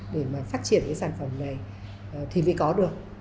để mà phát triển cái sản phẩm này thì mới có được